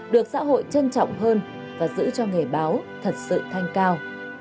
được xã hội trân trọng hơn và giữ cho nghề báo thật sự thanh cao